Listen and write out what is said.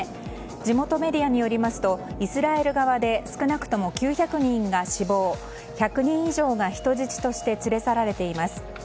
地元メディアによりますとイスラエル側で少なくとも９００人が死亡１００人以上が人質として連れ去られています。